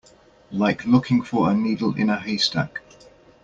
Like looking for a needle in a haystack.